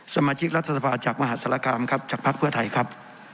สมาชิกรัฐสภาจากมหาศาลกรรมครับจากภักดิ์เพื่อไทยครับ